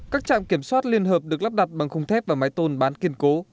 các trạm kiểm soát liên hợp được lắp đặt bằng khung thép và máy tôn bán kiên cố